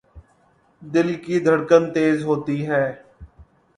دل کی دھڑکن تیز ہوتی ہے